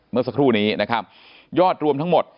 เมื่อสักครู่นี้นะครับยอดรวมทั้งหมด